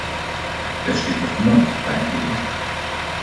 Es steht noch immer, weitgehend intakt.